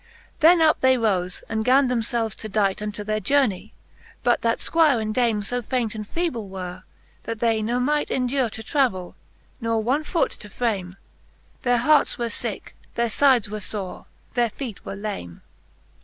Then up they rofe, and gan them felves to dight Unto their journey j but that Squire and Dame So faint and feeble were, that they ne might Endure to travell, nor one foote to frame : Their hearts were licke, their fides were fore, their fcete were lame.